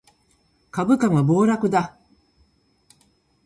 株価が暴落だ